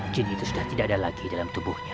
jenis sudah tidak ada lagi dalam tubuhnya